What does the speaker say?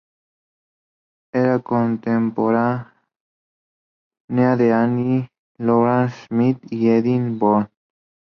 Era contemporánea de Annie Lorrain Smith y de Ethel Barton.